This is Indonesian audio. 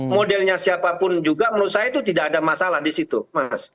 modelnya siapapun juga menurut saya itu tidak ada masalah di situ mas